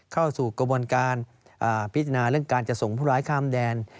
เข้าสู่กระบวนการพิจารณาเรื่องการจะส่งผู้ร้ายข้ามแดน